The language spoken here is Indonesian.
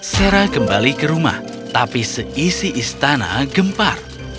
sarah kembali ke rumah tapi seisi istana gempar